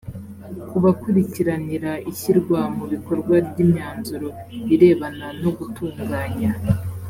kubakurikiranira ishyirwa mu bikorwa ry imyanzuro irebana no gutunganya